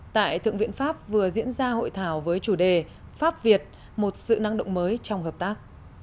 tại thượng viện pháp vừa diễn ra hội thảo với chủ đề pháp việt một sự năng động mới trong hợp tác